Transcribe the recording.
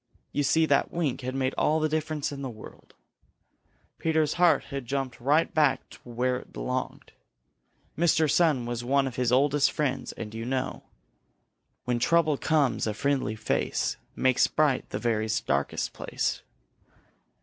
You see that wink had made all the difference in the world, Peter's heart had jumped right back where it belonged. Mr. Sun was one of his oldest friends and you know When trouble comes, a friendly face Makes bright the very darkest place.